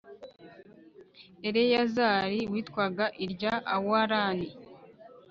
eleyazari witwaga irya awarani